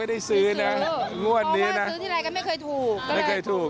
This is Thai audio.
ไม่ได้ซื้องที่ไหนก็ไม่เคยถูก